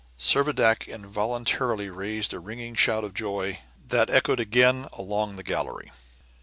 Servadac involuntarily raised a ringing shout of joy that echoed again along the gallery.